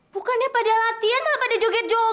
bukannya pada latihan lah pada joget joget